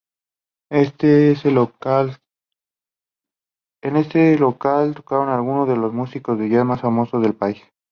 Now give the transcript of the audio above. En este local tocaron algunos de los músicos de jazz más famosos del país.